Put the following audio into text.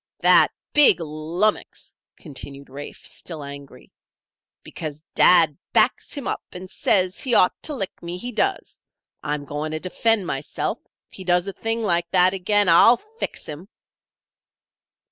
"That big lummox!" continued Rafe, still angry. "Because dad backs him up and says he ought to lick me, he does this. I'm going to defend myself. If he does a thing like that again, I'll fix him."